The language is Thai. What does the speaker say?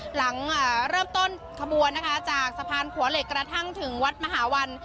หลังเริ่มต้นขบวนนะคะจากสะพานขัวเหล็กกระทั่งถึงวัดมหาวัน